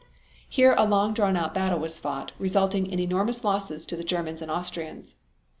Here a long drawn out battle was fought, resulting in enormous losses to the Germans and Austrians.